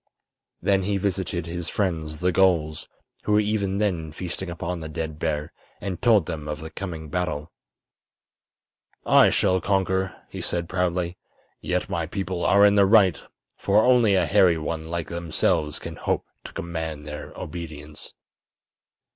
Then he visited his friends, the gulls, who were even then feasting upon the dead bear, and told them of the coming battle. "I shall conquer," he said, proudly. "Yet my people are in the right, for only a hairy one like themselves can hope to command their obedience."